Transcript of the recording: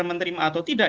apakah dito benar